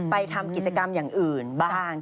ทำกิจกรรมอย่างอื่นบ้าง